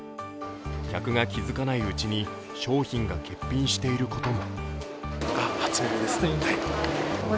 客が気づかないうちに商品が欠品していることも。